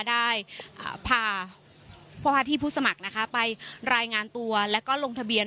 ได้พาที่ผู้สมัครนะคะไปรายงานตัวแล้วก็ลงทะเบียน